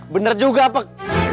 bener juga pek